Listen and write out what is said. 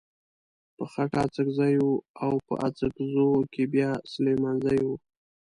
په خټه اڅکزی و او په اڅګزو کې بيا سليمانزی و.